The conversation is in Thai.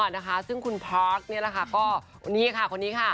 นะคะซึ่งคุณพาร์คนี่แหละค่ะก็นี่ค่ะคนนี้ค่ะ